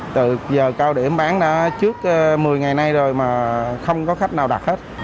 từ giờ cao điểm bán đã trước một mươi ngày nay rồi mà không có khách nào đặt hết